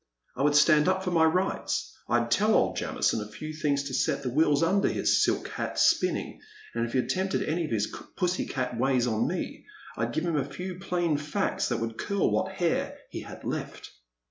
I would stand up for my rights ; I *d tell old Jamison a few things to set the wheels under his silk hat spinning, and if he attempted any of his pussy cat ways on me, I 'd give him a few plain facts that would curl what hair he had left.